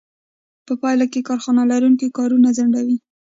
په پایله کې کارخانه لرونکي کارونه ځنډوي